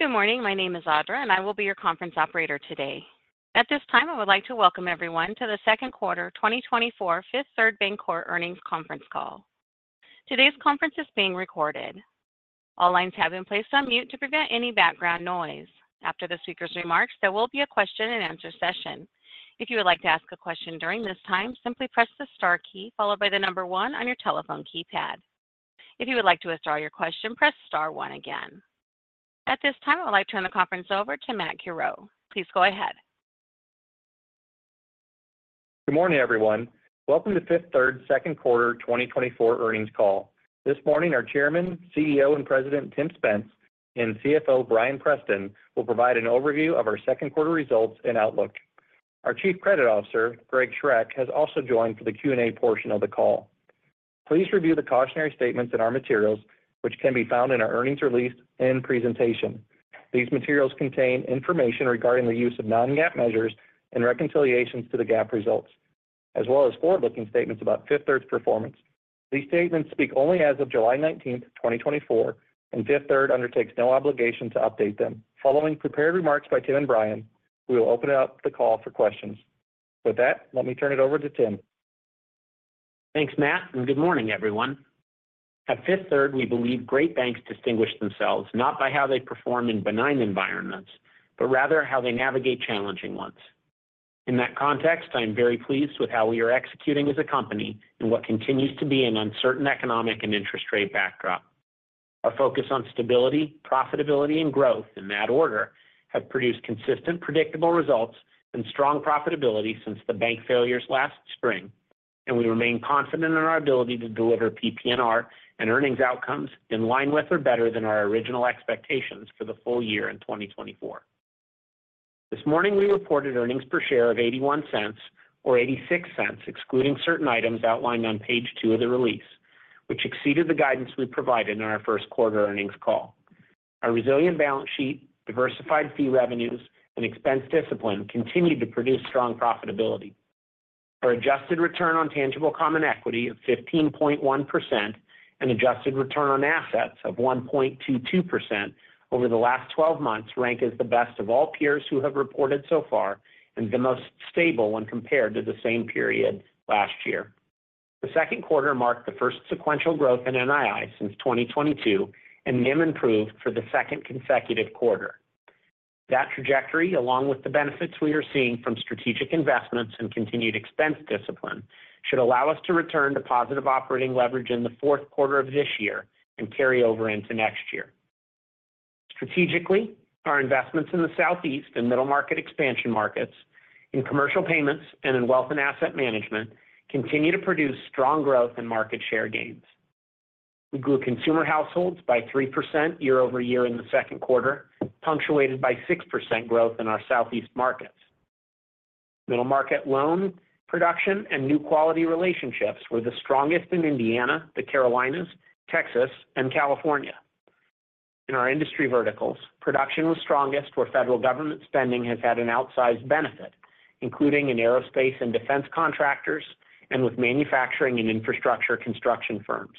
Good morning. My name is Audra, and I will be your conference operator today. At this time, I would like to welcome everyone to the second quarter 2024 Fifth Third Bancorp Earnings conference call. Today's conference is being recorded. All lines have been placed on mute to prevent any background noise. After the speaker's remarks, there will be a question-and-answer session. If you would like to ask a question during this time, simply press the star key followed by the number one on your telephone keypad. If you would like to withdraw your question, press star one again. At this time, I would like to turn the conference over to Matt Curoe. Please go ahead. Good morning, everyone. Welcome to Fifth Third Second Quarter 2024 Earnings call. This morning, our Chairman, CEO, and President, Tim Spence, and CFO, Bryan Preston, will provide an overview of our second quarter results and outlook. Our Chief Credit Officer, Greg Schroeck, has also joined for the Q&A portion of the call. Please review the cautionary statements in our materials, which can be found in our earnings release and presentation. These materials contain information regarding the use of non-GAAP measures and reconciliations to the GAAP results, as well as forward-looking statements about Fifth Third's performance. These statements speak only as of July 19, 2024, and Fifth Third undertakes no obligation to update them. Following prepared remarks by Tim and Bryan, we will open up the call for questions. With that, let me turn it over to Tim. Thanks, Matt, and good morning, everyone. At Fifth Third, we believe great banks distinguish themselves not by how they perform in benign environments, but rather how they navigate challenging ones. In that context, I am very pleased with how we are executing as a company in what continues to be an uncertain economic and interest rate backdrop. Our focus on stability, profitability, and growth, in that order, have produced consistent predictable results and strong profitability since the bank failures last spring, and we remain confident in our ability to deliver PP&R and earnings outcomes in line with or better than our original expectations for the full year in 2024. This morning, we reported earnings per share of $0.81 or $0.86, excluding certain items outlined on page two of the release, which exceeded the guidance we provided in our first quarter earnings call. Our resilient balance sheet, diversified fee revenues, and expense discipline continued to produce strong profitability. Our adjusted return on tangible common equity of 15.1% and adjusted return on assets of 1.22% over the last 12 months rank as the best of all peers who have reported so far and the most stable when compared to the same period last year. The second quarter marked the first sequential growth in NII since 2022, and NIM improved for the second consecutive quarter. That trajectory, along with the benefits we are seeing from strategic investments and continued expense discipline, should allow us to return to positive operating leverage in the fourth quarter of this year and carry over into next year. Strategically, our investments in the Southeast and middle market expansion markets, in commercial payments and in wealth and asset management, continue to produce strong growth and market share gains. We grew consumer households by 3% year-over-year in the second quarter, punctuated by 6% growth in our Southeast markets. Middle market loan production and new quality relationships were the strongest in Indiana, the Carolinas, Texas, and California. In our industry verticals, production was strongest, where federal government spending has had an outsized benefit, including in aerospace and defense contractors and with manufacturing and infrastructure construction firms.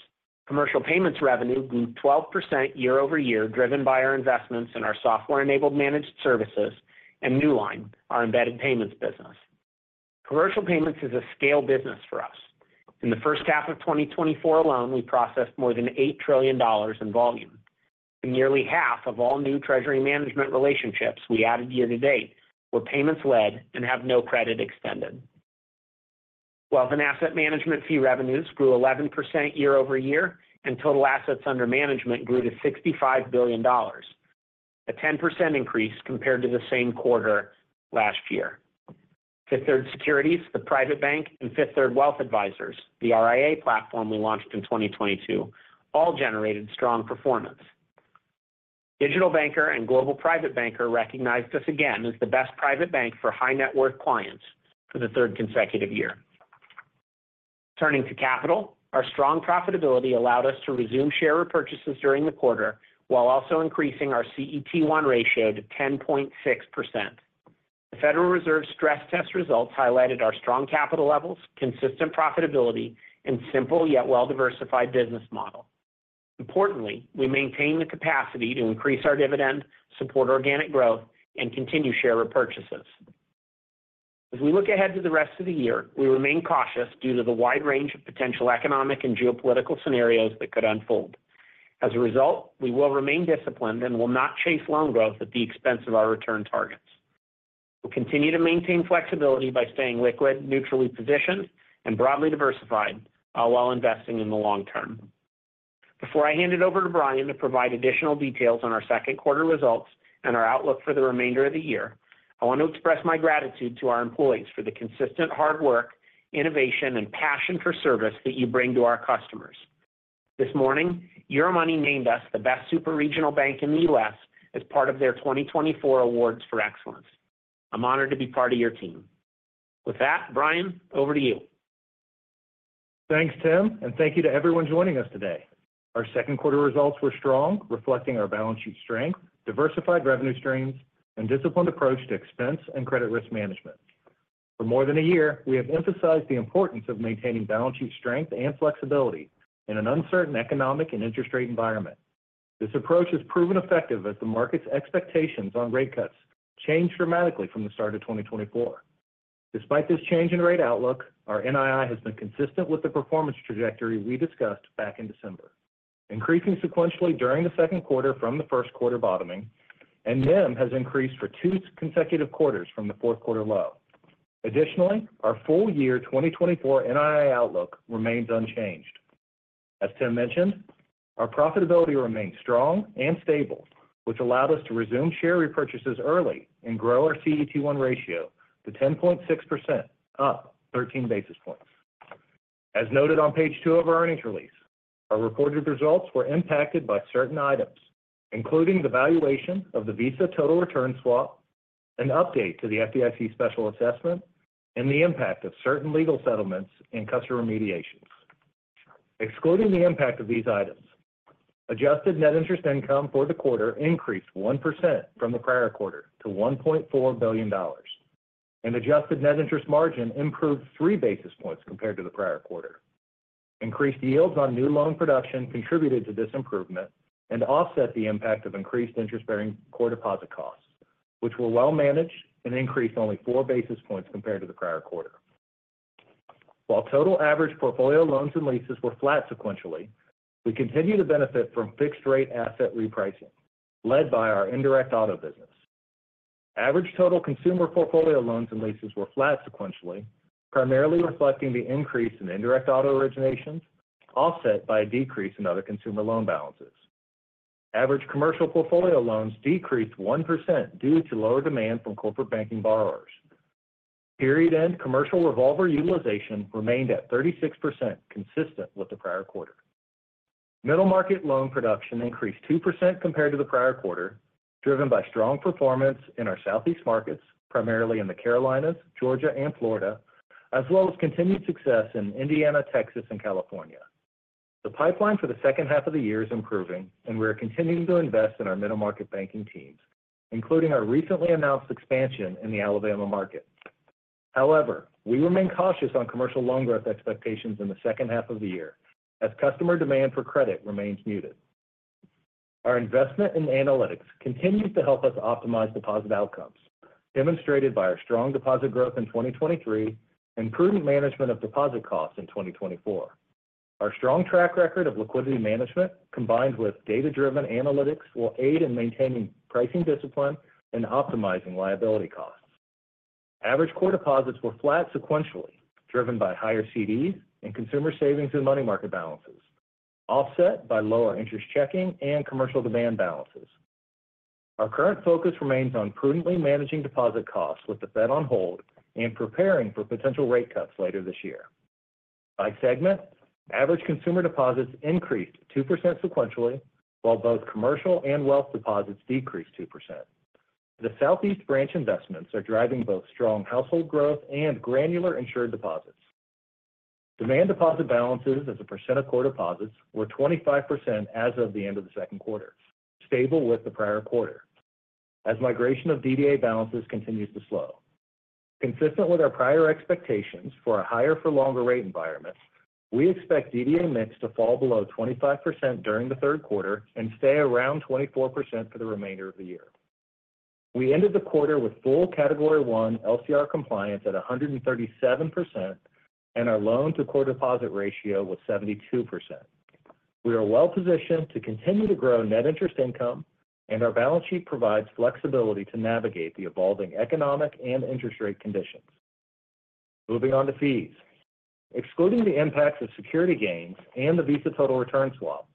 Commercial payments revenue grew 12% year-over-year, driven by our investments in our software-enabled managed services and Newline, our embedded payments business. Commercial payments is a scale business for us. In the first half of 2024 alone, we processed more than $8 trillion in volume. Nearly half of all new treasury management relationships we added year to date were payments-led and have no credit extended. Wealth and asset management fee revenues grew 11% year-over-year, and total assets under management grew to $65 billion, a 10% increase compared to the same quarter last year. Fifth Third Securities, The Private Bank, and Fifth Third Wealth Advisors, the RIA platform we launched in 2022, all generated strong performance. Digital Banker and Global Private Banker recognized us again as the best private bank for high-net-worth clients for the third consecutive year. Turning to capital, our strong profitability allowed us to resume share repurchases during the quarter while also increasing our CET1 ratio to 10.6%. The Federal Reserve stress test results highlighted our strong capital levels, consistent profitability, and simple yet well-diversified business model. Importantly, we maintain the capacity to increase our Dividend, support organic growth, and continue share repurchases. As we look ahead to the rest of the year, we remain cautious due to the wide range of potential economic and geopolitical scenarios that could unfold. As a result, we will remain disciplined and will not chase loan growth at the expense of our return targets. We'll continue to maintain flexibility by staying liquid, neutrally positioned, and broadly diversified while investing in the long term. Before I hand it over to Bryan to provide additional details on our second quarter results and our outlook for the remainder of the year, I want to express my gratitude to our employees for the consistent hard work, innovation, and passion for service that you bring to our customers. This morning, Euromoney named us the best superregional bank in the U.S. as part of their 2024 awards for excellence. I'm honored to be part of your team. With that, Bryan, over to you. Thanks, Tim, and thank you to everyone joining us today. Our second quarter results were strong, reflecting our balance sheet strength, diversified revenue streams, and disciplined approach to expense and credit risk management. For more than a year, we have emphasized the importance of maintaining balance sheet strength and flexibility in an uncertain economic and interest rate environment. This approach has proven effective as the market's expectations on rate cuts changed dramatically from the start of 2024. Despite this change in rate outlook, our NII has been consistent with the performance trajectory we discussed back in December, increasing sequentially during the second quarter from the first quarter bottoming, and NIM has increased for two consecutive quarters from the fourth quarter low. Additionally, our full year 2024 NII outlook remains unchanged. As Tim mentioned, our profitability remained strong and stable, which allowed us to resume share repurchases early and grow our CET1 ratio to 10.6%, up 13 basis points. As noted on page 2 of our earnings release, our reported results were impacted by certain items, including the valuation of the Visa total return swap, an update to the FDIC special assessment, and the impact of certain legal settlements and customer mediations. Excluding the impact of these items, adjusted net interest income for the quarter increased 1% from the prior quarter to $1.4 billion, and adjusted net interest margin improved 3 basis points compared to the prior quarter. Increased yields on new loan production contributed to this improvement and offset the impact of increased interest-bearing core deposit costs, which were well managed and increased only 4 basis points compared to the prior quarter. While total average portfolio loans and leases were flat sequentially, we continue to benefit from fixed-rate asset repricing led by our Indirect Auto business. Average total consumer portfolio loans and leases were flat sequentially, primarily reflecting the increase in Indirect Auto originations offset by a decrease in other consumer loan balances. Average commercial portfolio loans decreased 1% due to lower demand from corporate banking borrowers. Period-end commercial revolver utilization remained at 36%, consistent with the prior quarter. Middle market loan production increased 2% compared to the prior quarter, driven by strong performance in our Southeast markets, primarily in the Carolinas, Georgia, and Florida, as well as continued success in Indiana, Texas, and California. The pipeline for the second half of the year is improving, and we are continuing to invest in our middle market banking teams, including our recently announced expansion in the Alabama market. However, we remain cautious on commercial loan growth expectations in the second half of the year as customer demand for credit remains muted. Our investment in analytics continues to help us optimize deposit outcomes, demonstrated by our strong deposit growth in 2023 and prudent management of deposit costs in 2024. Our strong track record of liquidity management, combined with data-driven analytics, will aid in maintaining pricing discipline and optimizing liability costs. Average core deposits were flat sequentially, driven by higher CDs and consumer savings in money market balances, offset by lower interest checking and commercial demand balances. Our current focus remains on prudently managing deposit costs with the Fed on hold and preparing for potential rate cuts later this year. By segment, average consumer deposits increased 2% sequentially, while both commercial and wealth deposits decreased 2%. The Southeast branch investments are driving both strong household growth and granular insured deposits. Demand deposit balances as a percent of core deposits were 25% as of the end of the second quarter, stable with the prior quarter, as migration of DDA balances continues to slow. Consistent with our prior expectations for a higher-for-longer rate environment, we expect DDA mix to fall below 25% during the third quarter and stay around 24% for the remainder of the year. We ended the quarter with full category one LCR compliance at 137%, and our loan-to-core deposit ratio was 72%. We are well positioned to continue to grow net interest income, and our balance sheet provides flexibility to navigate the evolving economic and interest rate conditions. Moving on to fees. Excluding the impacts of security gains and the Visa total return swap,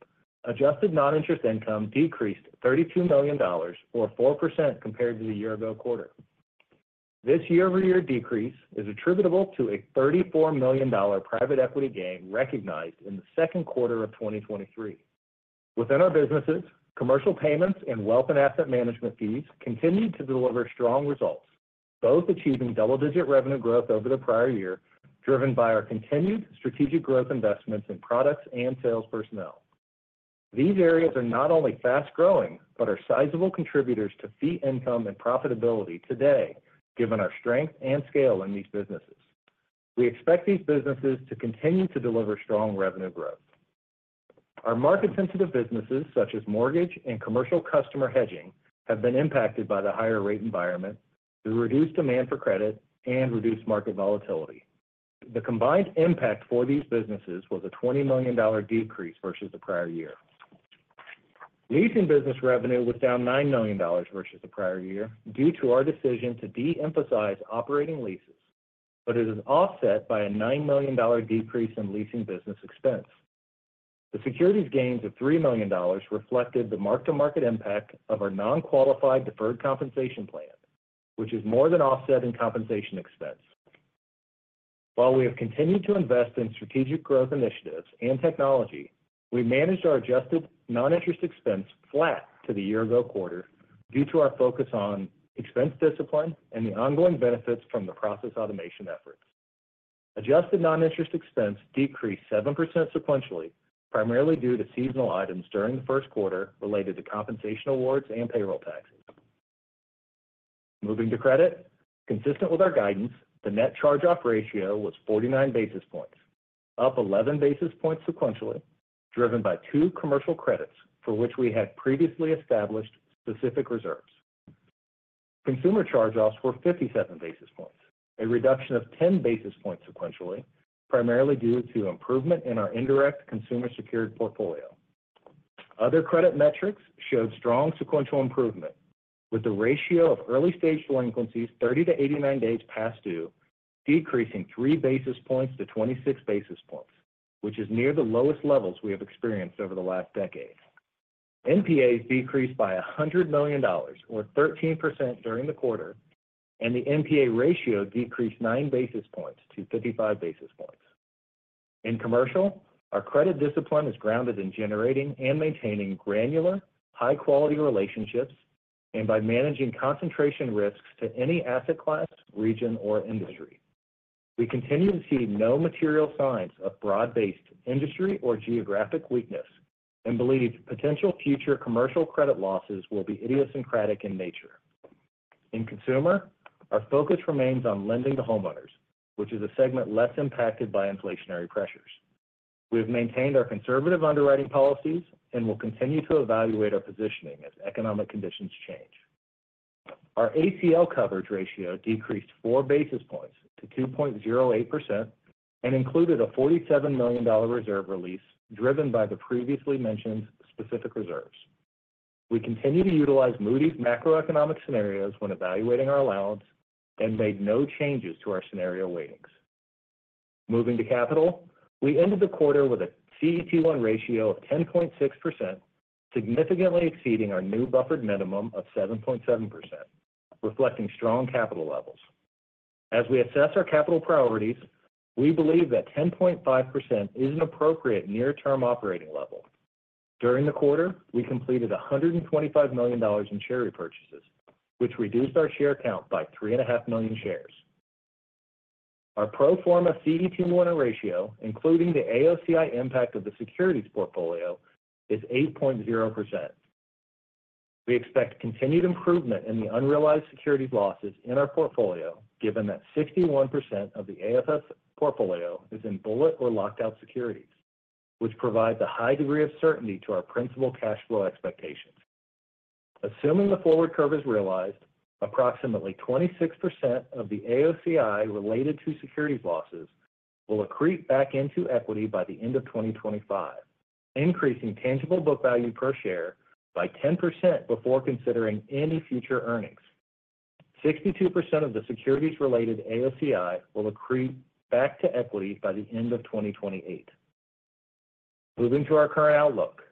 adjusted non-interest income decreased $32 million, or 4% compared to the year-ago quarter. This year-over-year decrease is attributable to a $34 million private equity gain recognized in the second quarter of 2023. Within our businesses, Commercial Payments and wealth and asset management fees continued to deliver strong results, both achieving double-digit revenue growth over the prior year, driven by our continued strategic growth investments in products and sales personnel. These areas are not only fast-growing but are sizable contributors to fee income and profitability today, given our strength and scale in these businesses. We expect these businesses to continue to deliver strong revenue growth. Our market-sensitive businesses, such as mortgage and commercial customer hedging, have been impacted by the higher rate environment, the reduced demand for credit, and reduced market volatility. The combined impact for these businesses was a $20 million decrease versus the prior year. Leasing business revenue was down $9 million versus the prior year due to our decision to de-emphasize operating leases, but it is offset by a $9 million decrease in leasing business expense. The securities gains of $3 million reflected the mark-to-market impact of our non-qualified deferred compensation plan, which is more than offset in compensation expense. While we have continued to invest in strategic growth initiatives and technology, we managed our adjusted non-interest expense flat to the year-ago quarter due to our focus on expense discipline and the ongoing benefits from the process automation efforts. Adjusted non-interest expense decreased 7% sequentially, primarily due to seasonal items during the first quarter related to compensation awards and payroll taxes. Moving to credit, consistent with our guidance, the net charge-off ratio was 49 basis points, up 11 basis points sequentially, driven by two commercial credits for which we had previously established specific reserves. Consumer charge-offs were 57 basis points, a reduction of 10 basis points sequentially, primarily due to improvement in our indirect consumer-secured portfolio. Other credit metrics showed strong sequential improvement, with the ratio of early-stage delinquencies 30 to 89 days past due decreasing 3 basis points to 26 basis points, which is near the lowest levels we have experienced over the last decade. NPAs decreased by $100 million, or 13%, during the quarter, and the NPA ratio decreased 9 basis points to 55 basis points. In commercial, our credit discipline is grounded in generating and maintaining granular, high-quality relationships and by managing concentration risks to any asset class, region, or industry. We continue to see no material signs of broad-based industry or geographic weakness and believe potential future commercial credit losses will be idiosyncratic in nature. In consumer, our focus remains on lending to homeowners, which is a segment less impacted by inflationary pressures. We have maintained our conservative underwriting policies and will continue to evaluate our positioning as economic conditions change. Our ACL coverage ratio decreased 4 basis points to 2.08% and included a $47 million reserve release driven by the previously mentioned specific reserves. We continue to utilize Moody's macroeconomic scenarios when evaluating our allowance and made no changes to our scenario weightings. Moving to capital, we ended the quarter with a CET1 ratio of 10.6%, significantly exceeding our new buffered minimum of 7.7%, reflecting strong capital levels. As we assess our capital priorities, we believe that 10.5% is an appropriate near-term operating level. During the quarter, we completed $125 million in share repurchases, which reduced our share count by 3.5 million shares. Our pro forma CET1 ratio, including the AOCI impact of the securities portfolio, is 8.0%. We expect continued improvement in the unrealized securities losses in our portfolio, given that 61% of the AFS portfolio is in bullet or locked-out securities, which provides a high degree of certainty to our principal cash flow expectations. Assuming the forward curve is realized, approximately 26% of the AOCI related to securities losses will accrete back into equity by the end of 2025, increasing tangible book value per share by 10% before considering any future earnings. 62% of the securities-related AOCI will accrete back to equity by the end of 2028. Moving to our current outlook.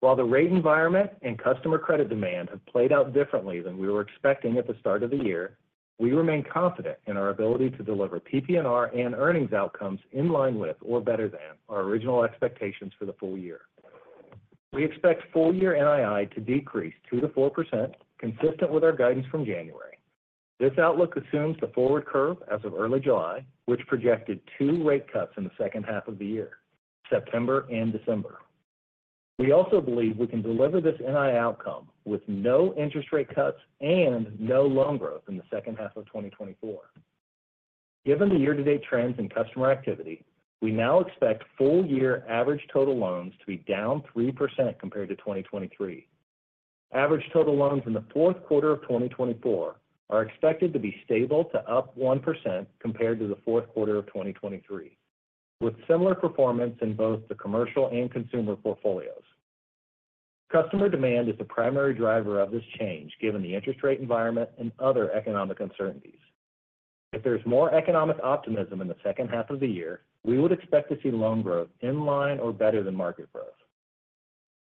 While the rate environment and customer credit demand have played out differently than we were expecting at the start of the year, we remain confident in our ability to deliver PP&R and earnings outcomes in line with, or better than, our original expectations for the full year. We expect full-year NII to decrease 2%-4%, consistent with our guidance from January. This outlook assumes the forward curve as of early July, which projected 2 rate cuts in the second half of the year, September and December. We also believe we can deliver this NII outcome with no interest rate cuts and no loan growth in the second half of 2024. Given the year-to-date trends in customer activity, we now expect full-year average total loans to be down 3% compared to 2023. Average total loans in the fourth quarter of 2024 are expected to be stable to up 1% compared to the fourth quarter of 2023, with similar performance in both the commercial and consumer portfolios. Customer demand is the primary driver of this change, given the interest rate environment and other economic uncertainties. If there's more economic optimism in the second half of the year, we would expect to see loan growth in line or better than market growth.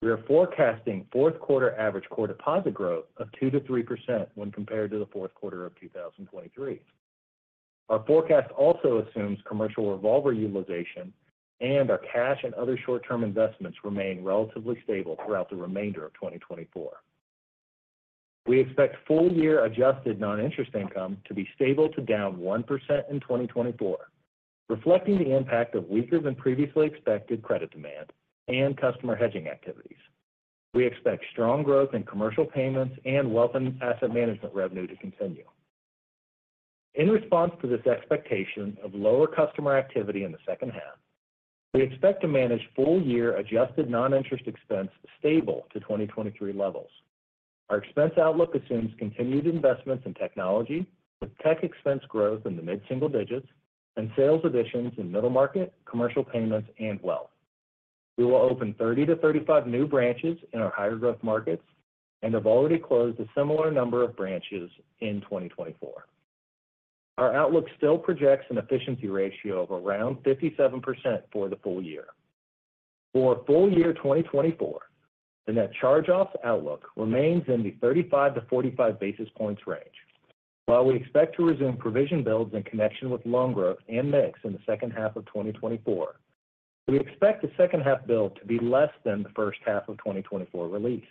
We are forecasting fourth-quarter average core deposit growth of 2%-3% when compared to the fourth quarter of 2023. Our forecast also assumes commercial revolver utilization, and our cash and other short-term investments remain relatively stable throughout the remainder of 2024. We expect full-year adjusted non-interest income to be stable to down 1% in 2024, reflecting the impact of weaker-than-previously-expected credit demand and customer hedging activities. We expect strong growth in commercial payments and wealth and asset management revenue to continue. In response to this expectation of lower customer activity in the second half, we expect to manage full-year adjusted non-interest expense stable to 2023 levels. Our expense outlook assumes continued investments in technology, with tech expense growth in the mid-single digits, and sales additions in middle market, commercial payments, and wealth. We will open 30-35 new branches in our higher-growth markets and have already closed a similar number of branches in 2024. Our outlook still projects an efficiency ratio of around 57% for the full year. For full-year 2024, the net charge-off outlook remains in the 35-45 basis points range. While we expect to resume provision builds in connection with loan growth and mix in the second half of 2024, we expect the second-half build to be less than the first half of 2024 release.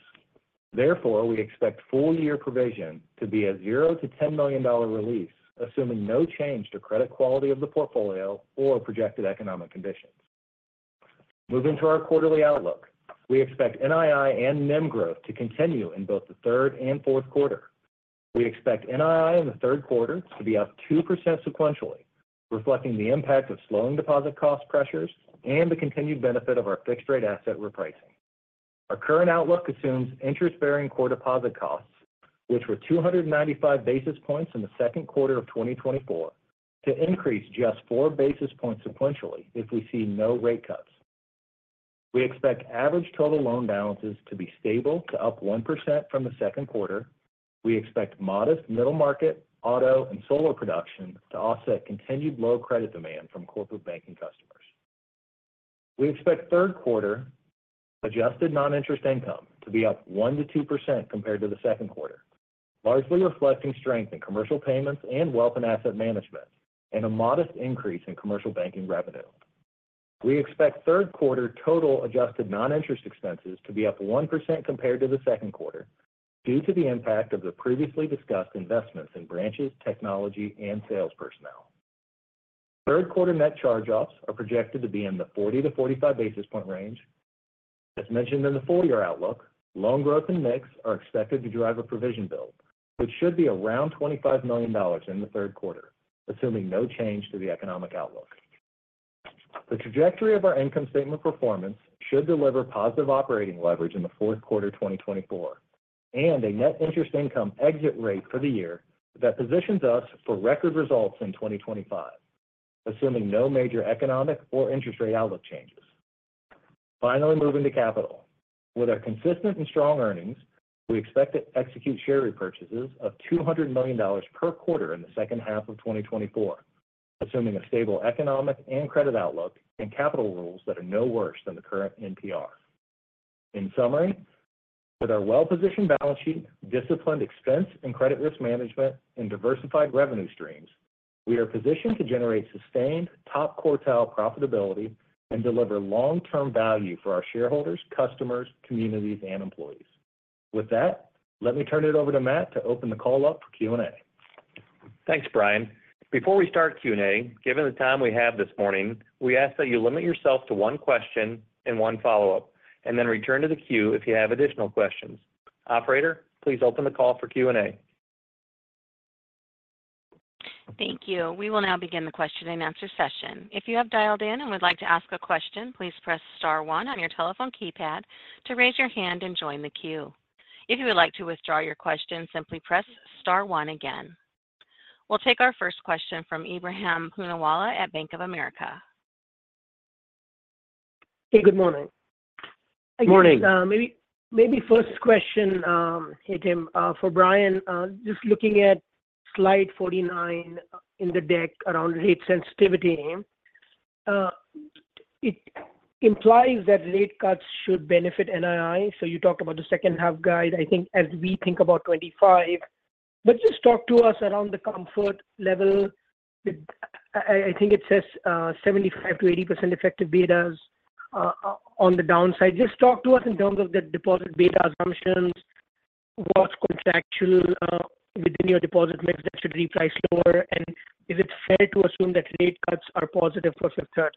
Therefore, we expect full-year provision to be a $0-$10 million release, assuming no change to credit quality of the portfolio or projected economic conditions. Moving to our quarterly outlook, we expect NII and NIM growth to continue in both the third and fourth quarter. We expect NII in the third quarter to be up 2% sequentially, reflecting the impact of slowing deposit cost pressures and the continued benefit of our fixed-rate asset repricing. Our current outlook assumes interest-bearing core deposit costs, which were 295 basis points in the second quarter of 2024, to increase just 4 basis points sequentially if we see no rate cuts. We expect average total loan balances to be stable to up 1% from the second quarter. We expect modest middle market, auto, and solar production to offset continued low credit demand from corporate banking customers. We expect third quarter adjusted non-interest income to be up 1%-2% compared to the second quarter, largely reflecting strength in commercial payments and wealth and asset management and a modest increase in commercial banking revenue. We expect third quarter total adjusted non-interest expenses to be up 1% compared to the second quarter due to the impact of the previously discussed investments in branches, technology, and sales personnel. Third-quarter net charge-offs are projected to be in the 40-45 basis point range. As mentioned in the full-year outlook, loan growth and mix are expected to drive a provision build, which should be around $25 million in the third quarter, assuming no change to the economic outlook. The trajectory of our income statement performance should deliver positive operating leverage in the fourth quarter 2024 and a net interest income exit rate for the year that positions us for record results in 2025, assuming no major economic or interest rate outlook changes. Finally, moving to capital. With our consistent and strong earnings, we expect to execute share repurchases of $200 million per quarter in the second half of 2024, assuming a stable economic and credit outlook and capital rules that are no worse than the current NPR. In summary, with our well-positioned balance sheet, disciplined expense and credit risk management, and diversified revenue streams, we are positioned to generate sustained top-quartile profitability and deliver long-term value for our shareholders, customers, communities, and employees. With that, let me turn it over to Matt to open the call up for Q&A. Thanks, Bryan. Before we start Q&A, given the time we have this morning, we ask that you limit yourself to one question and one follow-up, and then return to the queue if you have additional questions. Operator, please open the call for Q&A. Thank you. We will now begin the question-and-answer session. If you have dialed in and would like to ask a question, please press Star 1 on your telephone keypad to raise your hand and join the queue. If you would like to withdraw your question, simply press Star 1 again. We'll take our first question from Ebrahim Poonawala at Bank of America. Hey, good morning. Good morning. Maybe first question, Tim, for Bryan, just looking at slide 49 in the deck around rate sensitivity, it implies that rate cuts should benefit NII. So you talked about the second-half guide, I think, as we think about 2025. But just talk to us around the comfort level. I think it says 75%-80% effective betas on the downside. Just talk to us in terms of the deposit beta assumptions, what's contractual within your deposit mix that should reprice lower, and is it fair to assume that rate cuts are positive for Fifth Third?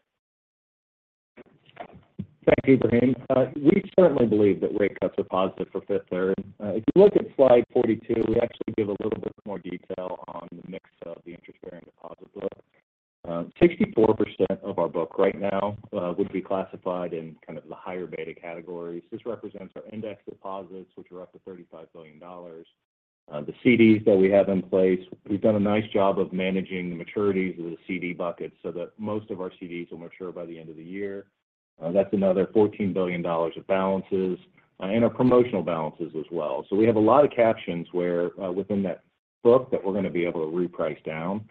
Thank you, Bryan. We certainly believe that rate cuts are positive for Fifth Third. If you look at slide 42, we actually give a little bit more detail on the mix of the interest-bearing deposit book. 64% of our book right now would be classified in kind of the higher beta categories. This represents our index deposits, which are up to $35 billion. The CDs that we have in place, we've done a nice job of managing the maturities of the CD buckets so that most of our CDs will mature by the end of the year. That's another $14 billion of balances and our promotional balances as well. So we have a lot of captions within that book that we're going to be able to reprice down.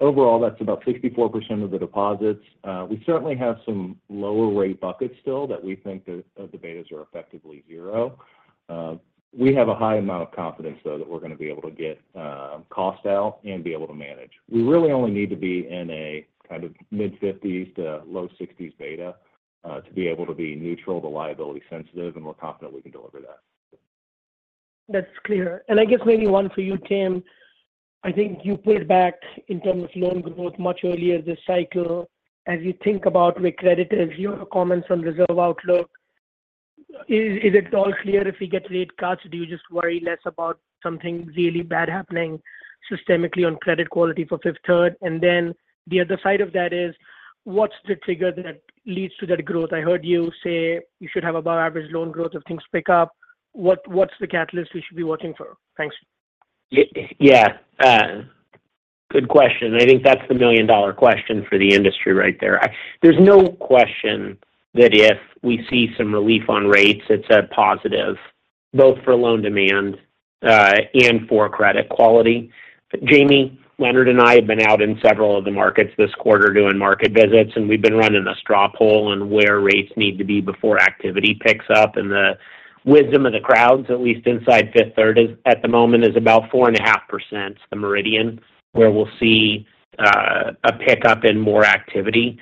Overall, that's about 64% of the deposits. We certainly have some lower-rate buckets still that we think that the betas are effectively zero. We have a high amount of confidence, though, that we're going to be able to get cost out and be able to manage. We really only need to be in a kind of mid-50s to low-60s beta to be able to be neutral to liability-sensitive, and we're confident we can deliver that. That's clear. And I guess maybe one for you, Tim. I think you put it back in terms of loan growth much earlier this cycle. As you think about recrediters, your comments on reserve outlook, is it all clear if we get rate cuts? Do you just worry less about something really bad happening systemically on credit quality for Fifth Third? And then the other side of that is, what's the trigger that leads to that growth? I heard you say you should have above-average loan growth if things pick up. What's the catalyst we should be watching for? Thanks. Yeah. Good question. I think that's the million-dollar question for the industry right there. There's no question that if we see some relief on rates, it's a positive, both for loan demand and for credit quality. Jamie Leonard and I have been out in several of the markets this quarter doing market visits, and we've been running a straw poll on where rates need to be before activity picks up. The wisdom of the crowds, at least inside Fifth Third at the moment, is about 4.5%, the median, where we'll see a pickup in more activity.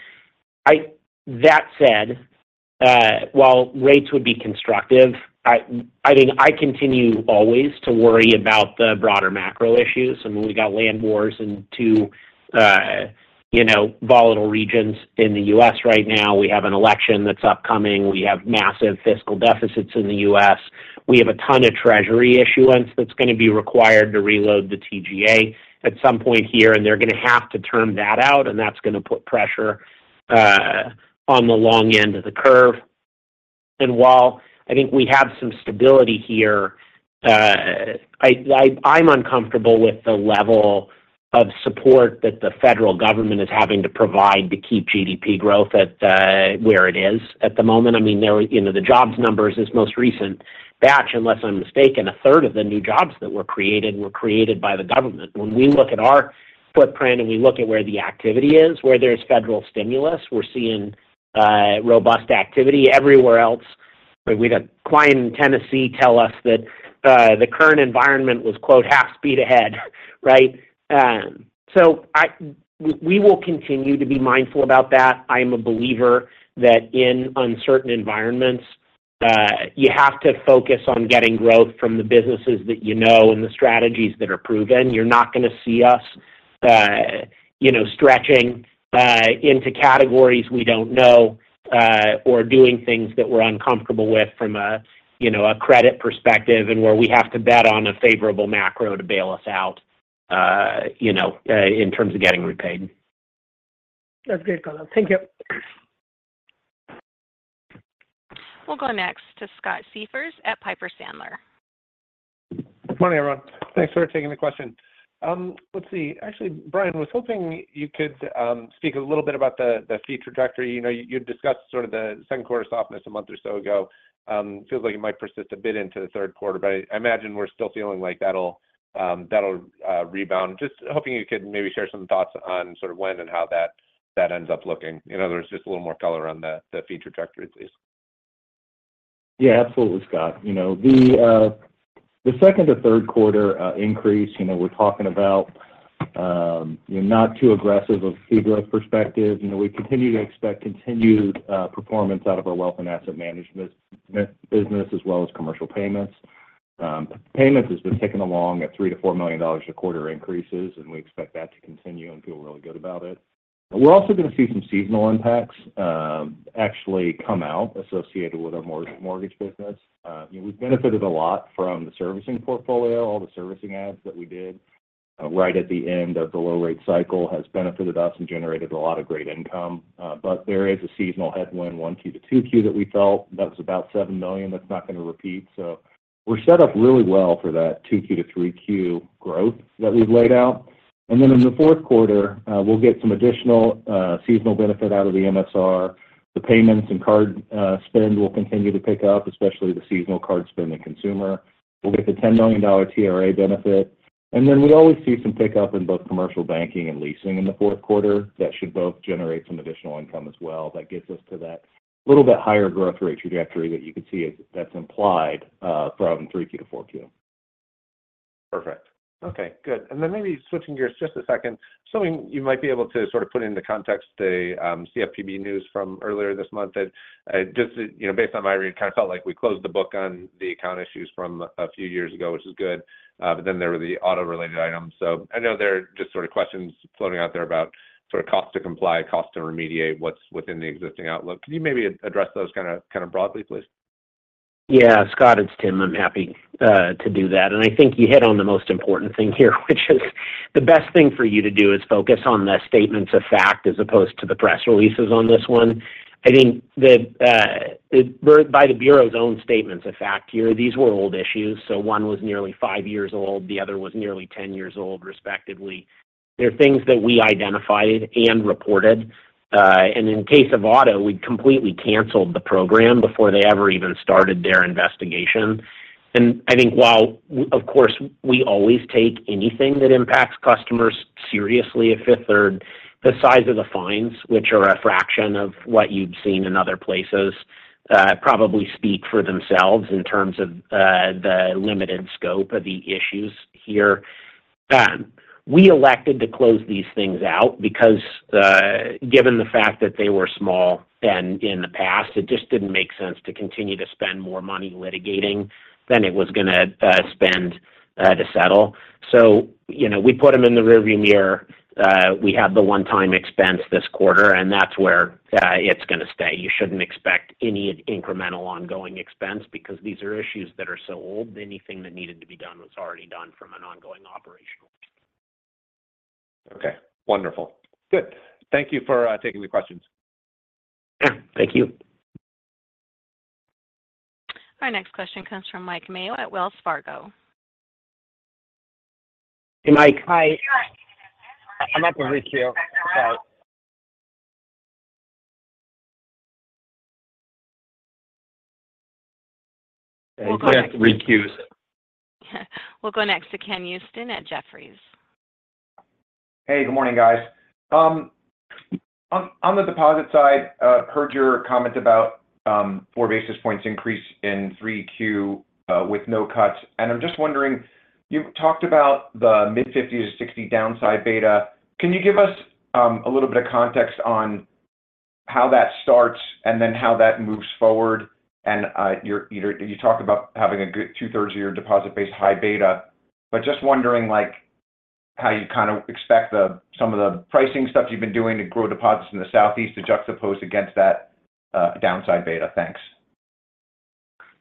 That said, while rates would be constructive, I mean, I continue always to worry about the broader macro issues. I mean, we got land wars in two volatile regions in the U.S. right now. We have an election that's upcoming. We have massive fiscal deficits in the U.S. We have a ton of Treasury issuance that's going to be required to reload the TGA at some point here, and they're going to have to term that out, and that's going to put pressure on the long end of the curve. And while I think we have some stability here, I'm uncomfortable with the level of support that the federal government is having to provide to keep GDP growth at where it is at the moment. I mean, the jobs numbers in this most recent batch, unless I'm mistaken, a third of the new jobs that were created were created by the government. When we look at our footprint and we look at where the activity is, where there's federal stimulus, we're seeing robust activity. Everywhere else, we had a client in Tennessee tell us that the current environment was, quote, "half-speed ahead," right? We will continue to be mindful about that. I am a believer that in uncertain environments, you have to focus on getting growth from the businesses that you know and the strategies that are proven. You're not going to see us stretching into categories we don't know or doing things that we're uncomfortable with from a credit perspective and where we have to bet on a favorable macro to bail us out in terms of getting repaid. That's great, Colin. Thank you. We'll go next to Scott Siefers at Piper Sandler. Good morning, everyone. Thanks for taking the question. Let's see. Actually, Bryan, I was hoping you could speak a little bit about the fee trajectory. You discussed sort of the second quarter softness a month or so ago. It feels like it might persist a bit into the third quarter, but I imagine we're still feeling like that'll rebound. Just hoping you could maybe share some thoughts on sort of when and how that ends up looking. There's just a little more color on the fee trajectory, please. Yeah, absolutely, Scott. The second or third quarter increase, we're talking about not too aggressive of a fee growth perspective. We continue to expect continued performance out of our wealth and asset management business as well as commercial payments. Payments have been ticking along at $3-$4 million a quarter increases, and we expect that to continue and feel really good about it. We're also going to see some seasonal impacts actually come out associated with our mortgage business. We've benefited a lot from the servicing portfolio. All the servicing assets that we did right at the end of the low-rate cycle have benefited us and generated a lot of great income. But there is a seasonal headwind, Q1 to Q2 that we felt that was about $7 million. That's not going to repeat. So we're set up really well for that Q2 to Q3 growth that we've laid out. And then in the fourth quarter, we'll get some additional seasonal benefit out of the MSR. The payments and card spend will continue to pick up, especially the seasonal card spend and consumer. We'll get the $10 million TRA benefit. And then we always see some pickup in both commercial banking and leasing in the fourth quarter. That should both generate some additional income as well. That gets us to that little bit higher growth rate trajectory that you could see that's implied from 3Q to 4Q. Perfect. Okay. Good. And then maybe switching gears just a second, something you might be able to sort of put into context, the CFPB news from earlier this month, that just based on my read, kind of felt like we closed the book on the account issues from a few years ago, which is good. But then there were the auto-related items. So I know there are just sort of questions floating out there about sort of cost to comply, cost to remediate, what's within the existing outlook. Could you maybe address those kind of broadly, please? Yeah. Scott, it's Tim. I'm happy to do that. I think you hit on the most important thing here, which is the best thing for you to do is focus on the statements of fact as opposed to the press releases on this one. I think that by the bureau's own statements of fact here, these were old issues. So one was nearly five years old. The other was nearly 10 years old, respectively. There are things that we identified and reported. And in case of auto, we completely canceled the program before they ever even started their investigation. And I think while, of course, we always take anything that impacts customers seriously at Fifth Third, the size of the fines, which are a fraction of what you've seen in other places, probably speak for themselves in terms of the limited scope of the issues here. We elected to close these things out because given the fact that they were small in the past, it just didn't make sense to continue to spend more money litigating than it was going to spend to settle. So we put them in the rearview mirror. We have the one-time expense this quarter, and that's where it's going to stay. You shouldn't expect any incremental ongoing expense because these are issues that are so old. Anything that needed to be done was already done from an ongoing operational. Okay. Wonderful. Good. Thank you for taking the questions. Yeah. Thank you. Our next question comes from Mike Mayo at Wells Fargo. Hey, Mike. Hi. I'm up on re-queue. Sorry. We'll go next to re-queues. We'll go next to Ken Usdin at Jefferies. Hey, good morning, guys. On the deposit side, I heard your comment about 4 basis points increase in 3Q with no cuts. And I'm just wondering, you talked about the mid-50s to 60 downside beta. Can you give us a little bit of context on how that starts and then how that moves forward? And you talked about having a good two-thirds of your deposit-based high beta. But just wondering how you kind of expect some of the pricing stuff you've been doing to grow deposits in the Southeast to juxtapose against that downside beta. Thanks.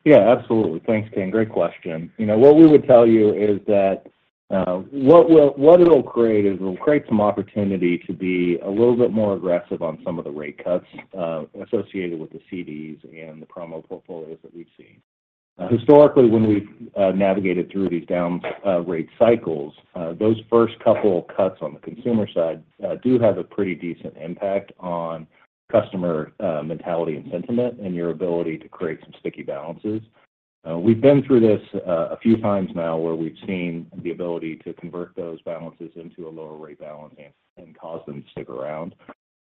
Yeah, absolutely. Thanks, Ken. Great question. What we would tell you is that what it'll create is it'll create some opportunity to be a little bit more aggressive on some of the rate cuts associated with the CDs and the promo portfolios that we've seen. Historically, when we've navigated through these down rate cycles, those first couple cuts on the consumer side do have a pretty decent impact on customer mentality and sentiment and your ability to create some sticky balances. We've been through this a few times now where we've seen the ability to convert those balances into a lower rate balance and cause them to stick around.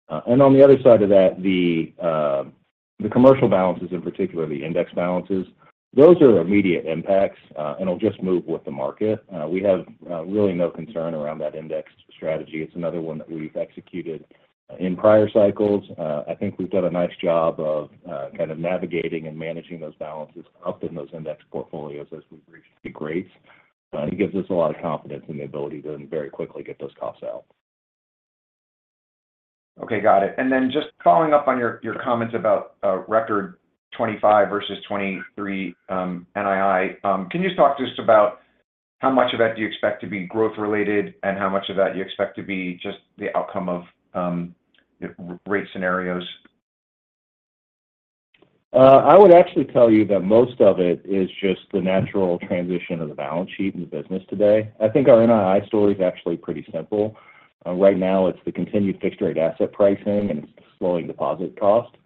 On the other side of that, the commercial balances, in particular, the index balances, those are immediate impacts, and it'll just move with the market. We have really no concern around that index strategy. It's another one that we've executed in prior cycles. I think we've done a nice job of kind of navigating and managing those balances up in those index portfolios as we've reached the grades. It gives us a lot of confidence in the ability to very quickly get those costs out. Okay. Got it. And then just following up on your comments about record 2025 versus 2023 NII, can you just talk just about how much of that do you expect to be growth-related and how much of that do you expect to be just the outcome of rate scenarios? I would actually tell you that most of it is just the natural transition of the balance sheet and the business today. I think our NII story is actually pretty simple. Right now, it's the continued fixed-rate asset pricing and slowing deposit cost.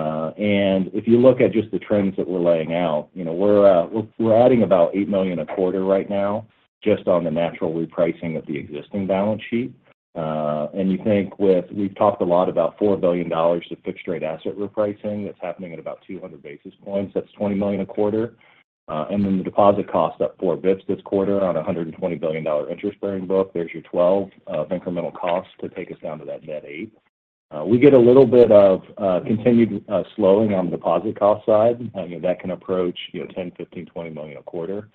And if you look at just the trends that we're laying out, we're adding about $8 million a quarter right now just on the natural repricing of the existing balance sheet. And you think with we've talked a lot about $4 billion of fixed-rate asset repricing that's happening at about 200 basis points. That's $20 million a quarter. Then the deposit cost up 4 basis points this quarter on a $120 billion interest-bearing book. There's your 12 basis points of incremental costs to take us down to that net 8 basis points. We get a little bit of continued slowing on the deposit cost side. That can approach $10 million, $15 million, $20 million a quarter.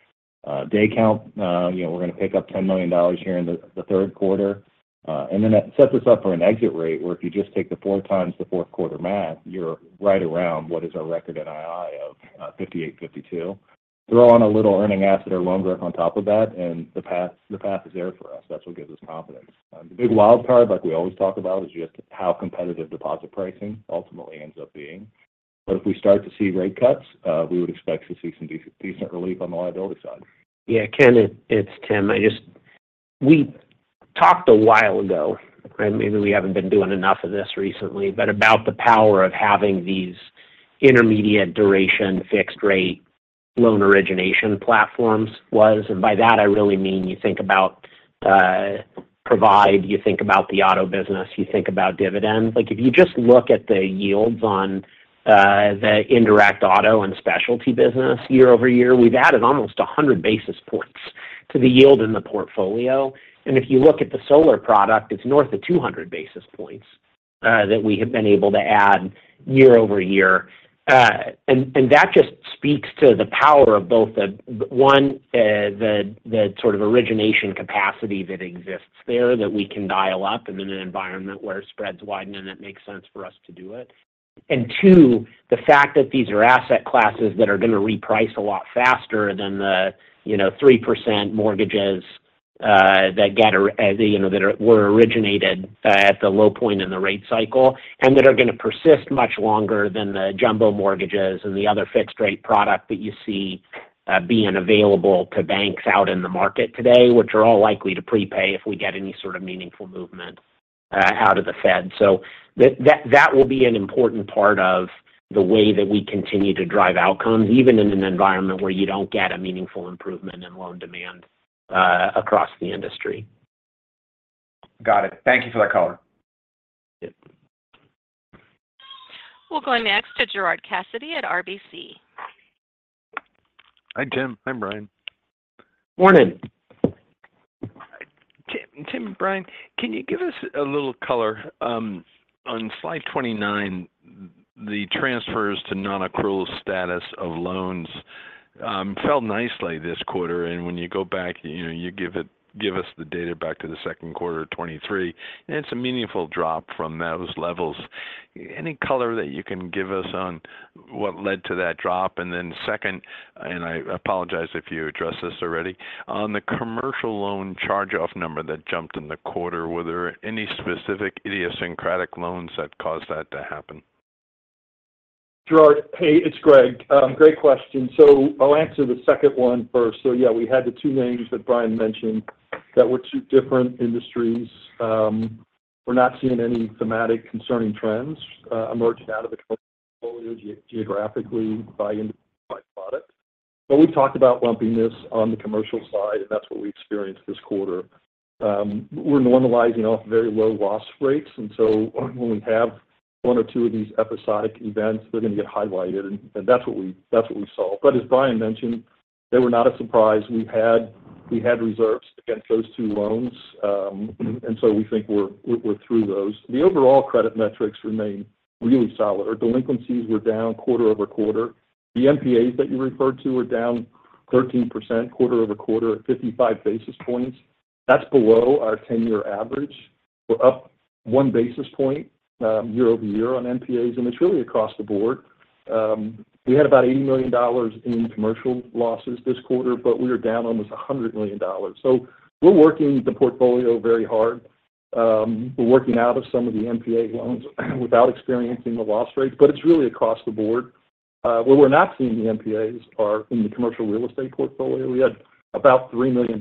Day count, we're going to pick up $10 million here in the third quarter. And then that sets us up for an exit rate where if you just take the 4 times the fourth quarter math, you're right around what is our record NII of 58.52. Throw on a little earning asset or loan growth on top of that, and the path is there for us. That's what gives us confidence. The big wildcard, like we always talk about, is just how competitive deposit pricing ultimately ends up being. But if we start to see rate cuts, we would expect to see some decent relief on the liability side. Yeah. Ken, it's Tim. We talked a while ago, and maybe we haven't been doing enough of this recently, but about the power of having these intermediate duration fixed-rate loan origination platforms was. And by that, I really mean you think about Provide, you think about the auto business, you think about Dividend. If you just look at the yields on the indirect auto and specialty business year-over-year, we've added almost 100 basis points to the yield in the portfolio. And if you look at the solar product, it's north of 200 basis points that we have been able to add year-over-year. And that just speaks to the power of both, one, the sort of origination capacity that exists there that we can dial up in an environment where spreads widen and it makes sense for us to do it. And two, the fact that these are asset classes that are going to reprice a lot faster than the 3% mortgages that were originated at the low point in the rate cycle and that are going to persist much longer than the jumbo mortgages and the other fixed-rate product that you see being available to banks out in the market today, which are all likely to prepay if we get any sort of meaningful movement out of the Fed. So that will be an important part of the way that we continue to drive outcomes, even in an environment where you don't get a meaningful improvement in loan demand across the industry. Got it. Thank you for that, Colin. Yep. We'll go next to Gerard Cassidy at RBC. Hi, Tim. I'm Bryan. Morning. Tim, Bryan, can you give us a little color? On slide 29, the transfers to non-accrual status of loans fell nicely this quarter. And when you go back, you give us the data back to the second quarter of 2023, and it's a meaningful drop from those levels. Any color that you can give us on what led to that drop? And then second, and I apologize if you addressed this already, on the commercial loan charge-off number that jumped in the quarter, were there any specific idiosyncratic loans that caused that to happen? Gerard, hey, it's Greg. Great question. So I'll answer the second one first. So yeah, we had the two names that Bryan mentioned that were two different industries. We're not seeing any thematic concerning trends emerging out of the commercial portfolio geographically by product. But we talked about lumpiness on the commercial side, and that's what we experienced this quarter. We're normalizing off very low loss rates. And so when we have one or two of these episodic events, they're going to get highlighted, and that's what we saw. But as Bryan mentioned, they were not a surprise. We had reserves against those two loans, and so we think we're through those. The overall credit metrics remain really solid. Our delinquencies were down quarter-over-quarter. The NPAs that you referred to were down 13% quarter-over-quarter at 55 basis points. That's below our ten-year average. We're up one basis point year-over-year on NPAs, and it's really across the board. We had about $80 million in commercial losses this quarter, but we are down almost $100 million. So we're working the portfolio very hard. We're working out of some of the NPA loans without experiencing the loss rates, but it's really across the board. Where we're not seeing the NPAs are in the commercial real estate portfolio. We had about $3 million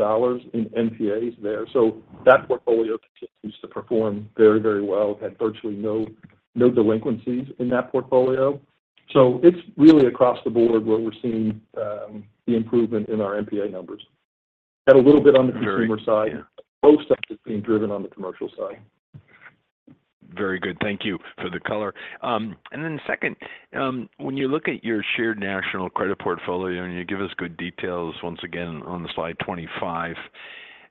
in NPAs there. So that portfolio continues to perform very, very well. We've had virtually no delinquencies in that portfolio. So it's really across the board where we're seeing the improvement in our NPA numbers. Got a little bit on the consumer side. Most of it's being driven on the commercial side. Very good. Thank you for the color. And then second, when you look at your shared national credit portfolio and you give us good details once again on slide 25,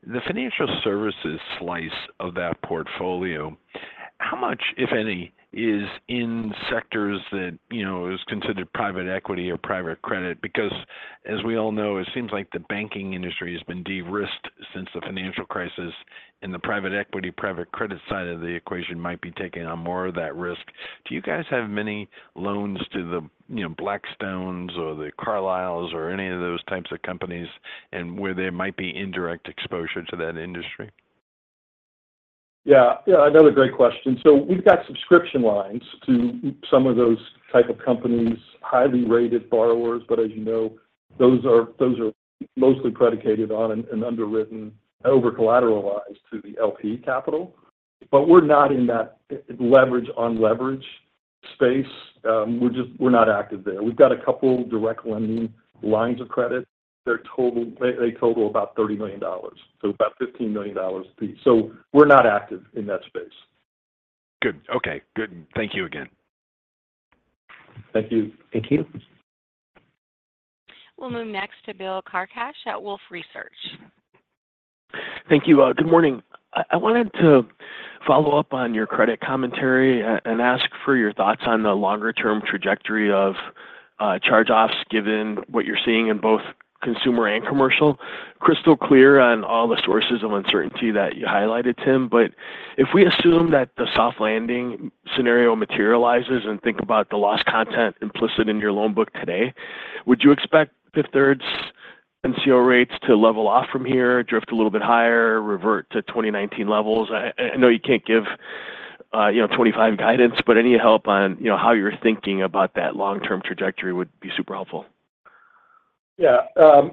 the financial services slice of that portfolio, how much, if any, is in sectors that is considered private equity or private credit? Because as we all know, it seems like the banking industry has been de-risked since the financial crisis, and the private equity, private credit side of the equation might be taking on more of that risk. Do you guys have many loans to the Blackstones or the Carlyles or any of those types of companies where there might be indirect exposure to that industry? Yeah. Yeah. Another great question. So we've got subscription lines to some of those type of companies, highly rated borrowers. But as you know, those are mostly predicated on an underwritten over-collateralized to the LP capital. But we're not in that leverage-on-leverage space. We're not active there. We've got a couple direct lending lines of credit. They total about $30 million, so about $15 million apiece. So we're not active in that space. Good. Okay. Good. Thank you again. Thank you. Thank you. We'll move next to Bill Carcache at Wolfe Research. Thank you. Good morning. I wanted to follow up on your credit commentary and ask for your thoughts on the longer-term trajectory of charge-offs given what you're seeing in both consumer and commercial. Crystal clear on all the sources of uncertainty that you highlighted, Tim. But if we assume that the soft landing scenario materializes and think about the loss content implicit in your loan book today, would you expect Fifth Third's NCO rates to level off from here, drift a little bit higher, revert to 2019 levels? I know you can't give 2025 guidance, but any help on how you're thinking about that long-term trajectory would be super helpful. Yeah.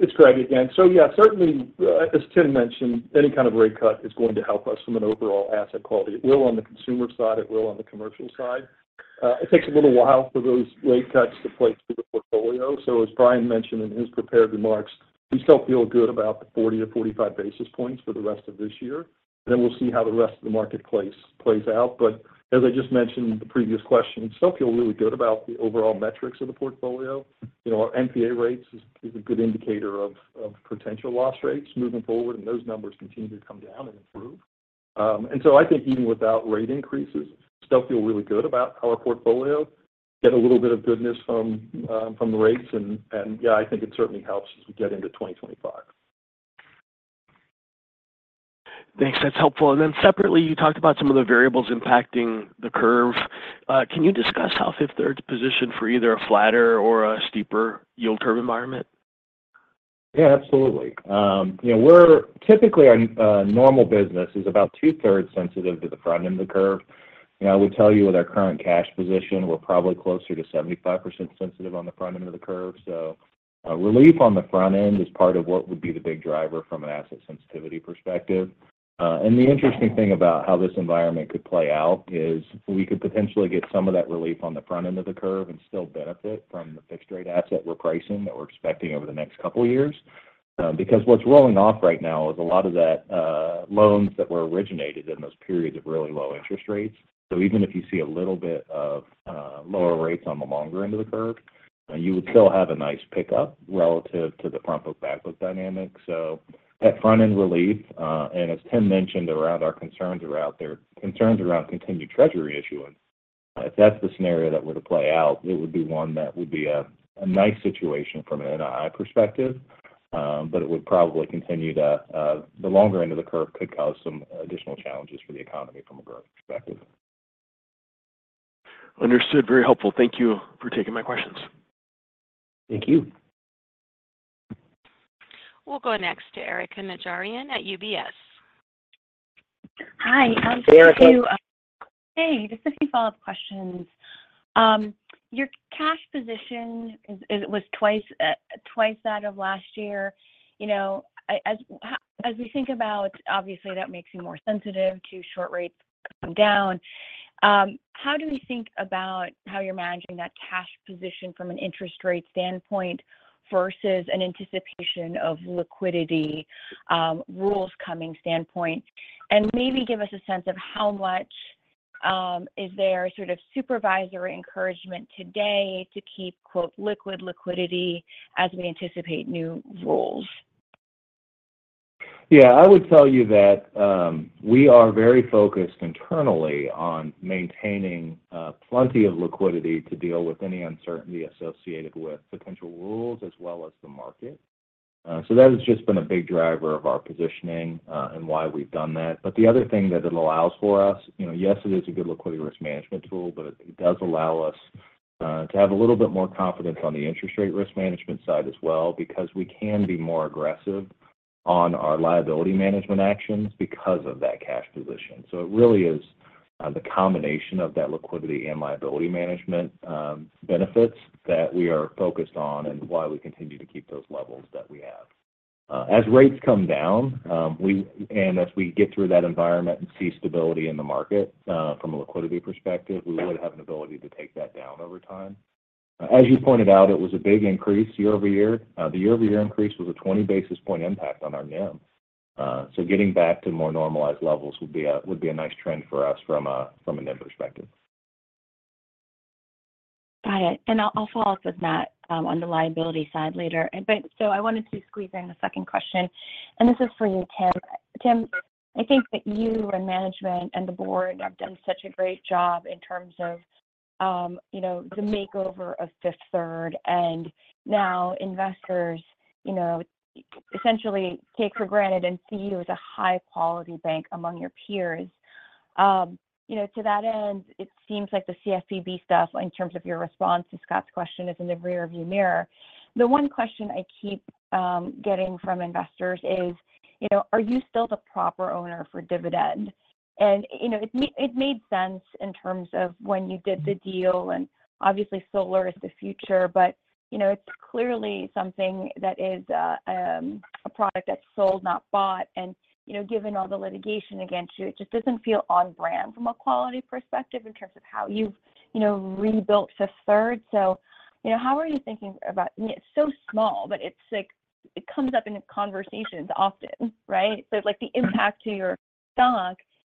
It's Greg again. So yeah, certainly, as Tim mentioned, any kind of rate cut is going to help us from an overall asset quality. It will on the consumer side. It will on the commercial side. It takes a little while for those rate cuts to play through the portfolio. So as Bryan mentioned in his prepared remarks, we still feel good about the 40-45 basis points for the rest of this year. Then we'll see how the rest of the market plays out. But as I just mentioned in the previous question, we still feel really good about the overall metrics of the portfolio. Our MPA rates is a good indicator of potential loss rates moving forward, and those numbers continue to come down and improve. And so I think even without rate increases, we still feel really good about our portfolio. Get a little bit of goodness from the rates. And yeah, I think it certainly helps as we get into 2025. Thanks. That's helpful. And then separately, you talked about some of the variables impacting the curve. Can you discuss how Fifth Third's position for either a flatter or a steeper yield curve environment? Yeah, absolutely. Typically, our normal business is about two-thirds sensitive to the front end of the curve. I would tell you with our current cash position, we're probably closer to 75% sensitive on the front end of the curve. So relief on the front end is part of what would be the big driver from an asset sensitivity perspective. The interesting thing about how this environment could play out is we could potentially get some of that relief on the front end of the curve and still benefit from the fixed-rate asset repricing that we're expecting over the next couple of years. Because what's rolling off right now is a lot of that loans that were originated in those periods of really low interest rates. So even if you see a little bit of lower rates on the longer end of the curve, you would still have a nice pickup relative to the front book-back book dynamic. So that front-end relief, and as Tim mentioned around our concerns around continued treasury issuance, if that's the scenario that were to play out, it would be one that would be a nice situation from an NII perspective. But it would probably continue to the longer end of the curve could cause some additional challenges for the economy from a growth perspective. Understood. Very helpful. Thank you for taking my questions. Thank you. We'll go next to Erika Najarian at UBS. Hi. Erika. Hey. Just a few follow-up questions. Your cash position was twice that of last year. As we think about, obviously, that makes you more sensitive to short rates coming down. How do we think about how you're managing that cash position from an interest rate standpoint versus an anticipation of liquidity rules coming standpoint? And maybe give us a sense of how much is there sort of supervisory encouragement today to keep "liquid liquidity" as we anticipate new rules? Yeah. I would tell you that we are very focused internally on maintaining plenty of liquidity to deal with any uncertainty associated with potential rules as well as the market. So that has just been a big driver of our positioning and why we've done that. But the other thing that it allows for us, yes, it is a good liquidity risk management tool, but it does allow us to have a little bit more confidence on the interest rate risk management side as well because we can be more aggressive on our liability management actions because of that cash position. So it really is the combination of that liquidity and liability management benefits that we are focused on and why we continue to keep those levels that we have. As rates come down and as we get through that environment and see stability in the market from a liquidity perspective, we would have an ability to take that down over time. As you pointed out, it was a big increase year-over-year. The year-over-year increase was a 20 basis point impact on our NIM. So getting back to more normalized levels would be a nice trend for us from a NIM perspective. Got it. And I'll follow up with Matt on the liability side later. But so I wanted to squeeze in a second question. And this is for you, Tim. Tim, I think that you and management and the board have done such a great job in terms of the makeover of Fifth Third. And now investors essentially take for granted and see you as a high-quality bank among your peers. To that end, it seems like the CFPB stuff in terms of your response to Scott's question is in the rearview mirror. The one question I keep getting from investors is, are you still the proper owner for Dividend? And it made sense in terms of when you did the deal. And obviously, solar is the future, but it's clearly something that is a product that's sold, not bought. And given all the litigation against you, it just doesn't feel on-brand from a quality perspective in terms of how you've rebuilt Fifth Third. So how are you thinking about it? It's so small, but it comes up in conversations often, right? So the impact to your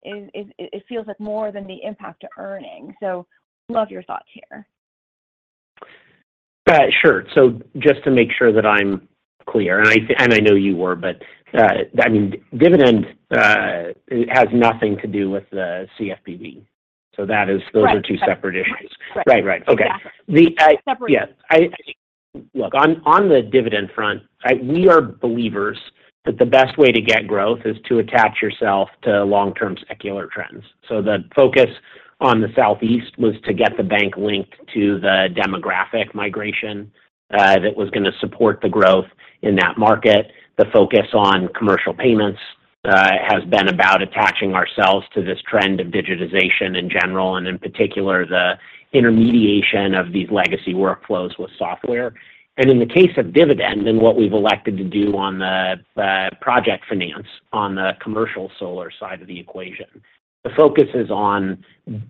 stock, it feels like more than the impact to earnings. So love your thoughts here. Sure. So just to make sure that I'm clear, and I know you were, but I mean, dividend has nothing to do with the CFPB. So those are two separate issues. Right. Right. Right. Okay. Yeah. Look, on the dividend front, we are believers that the best way to get growth is to attach yourself to long-term secular trends. So the focus on the Southeast was to get the bank linked to the demographic migration that was going to support the growth in that market. The focus on commercial payments has been about attaching ourselves to this trend of digitization in general and, in particular, the intermediation of these legacy workflows with software. In the case of Dividend and what we've elected to do on the project finance on the commercial solar side of the equation, the focus is on